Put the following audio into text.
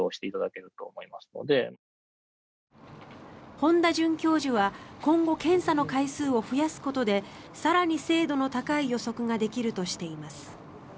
本多准教授は今後、検査の回数を増やすことで更に精度の高い予測ができるとしています。